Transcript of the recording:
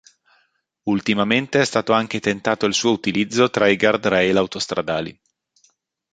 Ultimamente è stato anche tentato il suo utilizzo tra i guard-rail autostradali